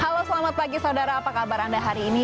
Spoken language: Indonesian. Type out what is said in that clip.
halo selamat pagi saudara apa kabar anda hari ini